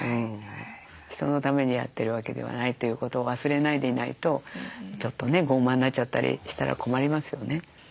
人のためにやってるわけではないということを忘れないでいないとちょっとね傲慢になっちゃったりしたら困りますよね。